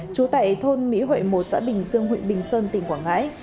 trú tại thôn mỹ huệ một xã bình dương huyện bình sơn tỉnh quảng ngãi